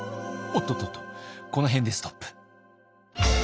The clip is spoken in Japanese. おっとっとっとこの辺でストップ。